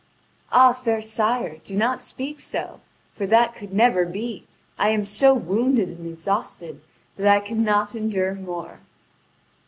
"Ah, fair sire, do not speak so. For that could never be. I am so wounded and exhausted that I cannot endure more."